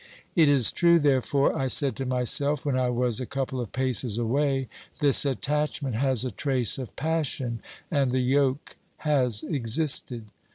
It is true, therefore, I said to myself, when I was a couple of paces away; this attachment has a trace of passion, and the yoke has existed.